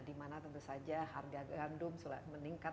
dimana tentu saja harga gandum meningkat